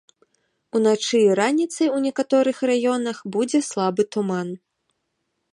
Уначы і раніцай у некаторых раёнах будзе слабы туман.